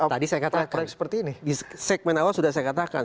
tadi saya katakan di segmen awal sudah saya katakan